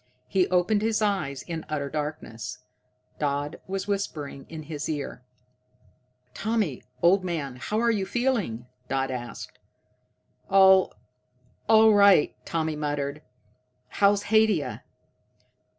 He opened his eyes in utter darkness. Dodd was whispering in his ear. "Tommy, old man, how are you feeling now?" Dodd asked. "All right," Tommy muttered. "How's Haidia?"